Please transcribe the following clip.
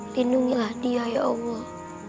lindungilah dia ya allah